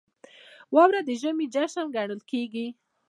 • واوره د ژمي جشن ګڼل کېږي.